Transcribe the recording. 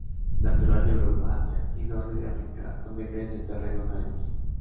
Natural de Europa Asia y norte de África donde crece en terrenos arenosos.